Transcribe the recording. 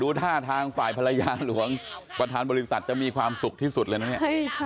ท่าทางฝ่ายภรรยาหลวงประธานบริษัทจะมีความสุขที่สุดเลยนะเนี่ย